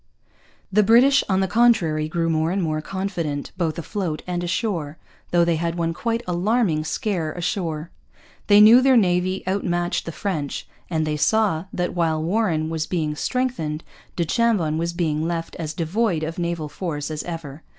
The British, on the contrary, grew more and more confident, both afloat and ashore, though they had one quite alarming scare ashore. They knew their navy outmatched the French; and they saw that, while Warren was being strengthened, du Chambon was being left as devoid of naval force as ever.